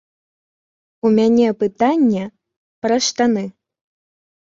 У мяне пытанне пра штаны.